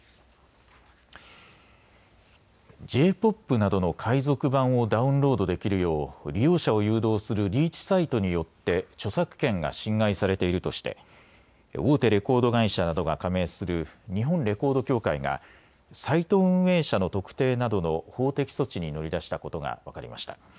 Ｊ−ＰＯＰなどの海賊版をダウンロードできるよう利用者を誘導するリーチサイトによって著作権が侵害されているとして大手レコード会社などが加盟する日本レコード協会がサイト運営者の特定などの法的措置に乗り出したことが分かりました。